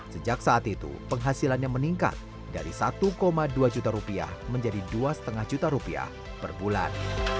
sejak saat itu penghasilannya meningkat dari satu dua juta rupiah menjadi dua lima juta rupiah per bulan